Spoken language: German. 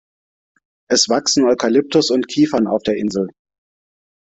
Es wachsen Eukalyptus und Kiefern auf der Insel.